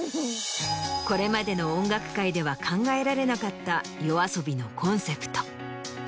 これまでの音楽界では考えられなかったＹＯＡＳＯＢＩのコンセプト。